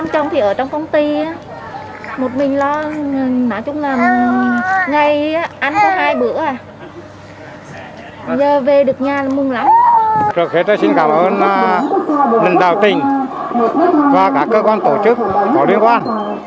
chúng tôi xin cảm ơn lãnh đạo tỉnh và các cơ quan tổ chức có liên quan